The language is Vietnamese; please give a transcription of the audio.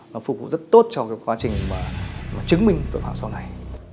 và phục vụ rất tốt trong quá trình chứng minh tội phạm sau này